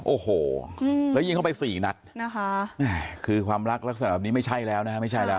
โอ้โหแล้วยิงเข้าไป๔นัดคือความรักลักษณะแบบนี้ไม่ใช่แล้วนะครับ